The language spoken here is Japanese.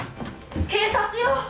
警察よ！